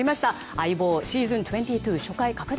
「相棒シーズン２２」初回拡大